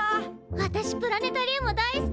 わたしプラネタリウム大好き！